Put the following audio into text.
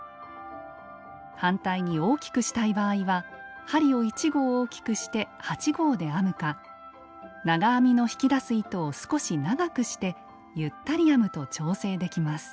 反対に大きくしたい場合は針を１号大きくして８号で編むか長編みの引き出す糸を少し長くしてゆったり編むと調整できます。